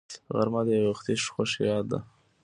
غرمه د یووختي خوښۍ یاد ده